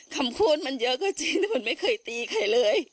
คำพูดมันเยอะก็จริงมันไม่เคยตีใครเลย